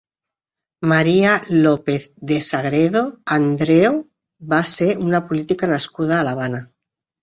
María López de Sagredo Andreo va ser una política nascuda a l'Havana.